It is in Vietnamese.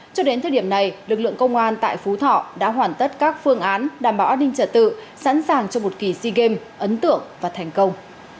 cho đến thời điểm này lực lượng công an tại phú thọ đã hoàn tất các phương án đảm bảo an ninh trả tự sẵn sàng cho một kỳ sea games ấn tượng và thành công